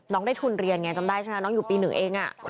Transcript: น้องได้ทุนเรียนอย่างนี้จำได้ใช่ไหมน้องอยู่ปีหนึ่งเอง